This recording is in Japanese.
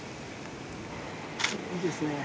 いいですねえ。